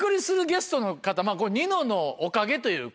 まぁこれニノのおかげというか。